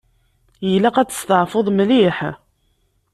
Ilaq ad testeɛfuḍ mliḥ.